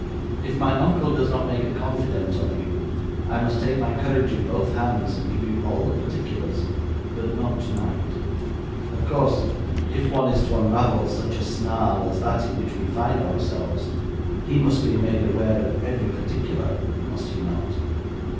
If my uncle does not make a confidant of you, I must take my courage in both hands, and give you all the particulars, but not tonight. Of course, if one is to unravel such a snarl as that in which we find ourselves, he must be made aware of every particular, must he not?'